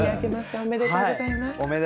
おめでとうございます。